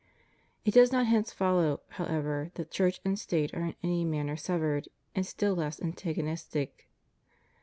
It does not hence follow, however, that Church and State are in any manner severed, and still less antagonistic.